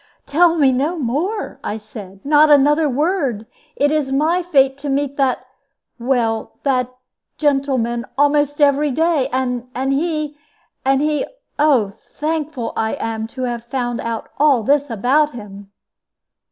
"Tell me no more," I said; "not another word. It is my fate to meet that well, that gentleman almost every day. And he, and he oh, how thankful I am to have found out all this about him!"